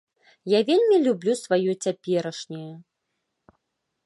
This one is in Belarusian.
Я вельмі люблю сваё цяперашняе.